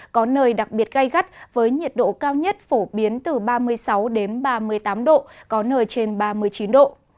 có nơi đặc biệt gai gắt với nhiệt độ cao nhất phổ biến từ ba mươi sáu đến ba mươi tám độ có nơi trên ba mươi chín độ